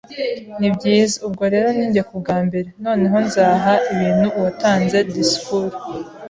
Nibyiza, ubwo rero ni njye kubwanjye. Noneho nzaha ibintu uwatanze disikuru.